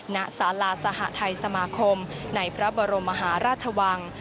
ณสาราสหทัยสมาคมในพระบรมมหาราชวัง